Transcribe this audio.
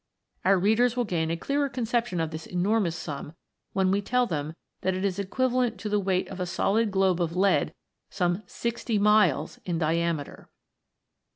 Our readers will gain a clearer conception of this enormous sum when we tell them that it is equivalent to the weight of a solid globe of lead some sixty miles in diameter